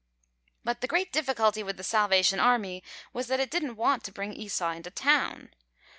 But the great difficulty with the Salvation Army was that it didn't want to bring Esau into town.